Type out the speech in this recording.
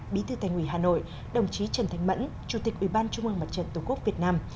bí thư tài nguy hà nội đồng chí trần thành mẫn chủ tịch ủy ban trung ương mặt trận tổ quốc việt nam